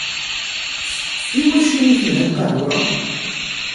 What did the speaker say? I wacu i telha lqahwa?